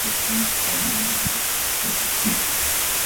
河北省丰润县南青坨村人。